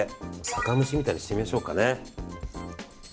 酒蒸しみたいにしてみましょう。